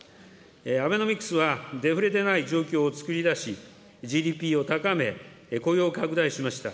アベノミクスはデフレでない状況をつくりだし、ＧＤＰを高め、雇用拡大しました。